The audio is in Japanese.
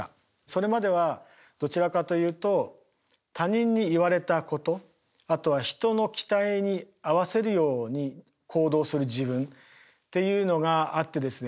それまではどちらかというと他人に言われたことあとは人の期待に合わせるように行動する自分っていうのがあってですね